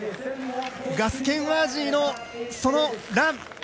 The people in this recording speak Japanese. ガス・ケンワージーの、そのラン